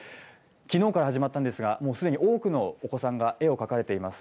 きのうから始まったんですが、もうすでに多くのお子さんが絵を描かれています。